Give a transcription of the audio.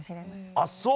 あっそう！